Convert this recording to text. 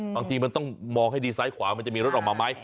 บางทีมันต้องมองให้ดีซ้ายขวามันจะมีรถออกมาไหม